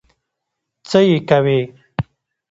څه يې کوې؟